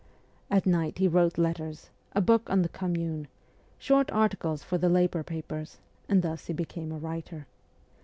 At night he wrote letters, a book on the Commune, short articles for the labour papers and thus he became a writer.